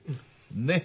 ねっ！